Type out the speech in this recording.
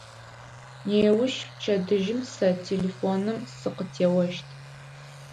Неущ, пчэдыжьым, сэ телефоным сыкъытеощт.